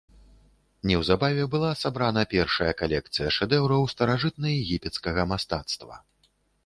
Неўзабаве была сабрана першая калекцыя шэдэўраў старажытнаегіпецкага мастацтва.